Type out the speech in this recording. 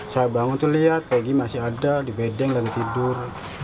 saya bangun tuh lihat egy masih ada di bedeng dan tidur